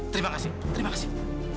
terima kasih terima kasih